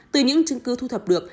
từ những chứng cứ thu thập được